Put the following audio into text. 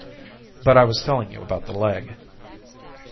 But I was telling you about the leg.